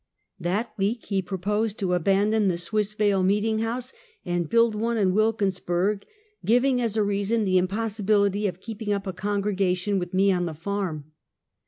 That week he proposed to abandon the Swissvale meeting house, and build one in Wilkinsburg, giving as a reason the impossibility of keeping up a congre gation with me on the farm.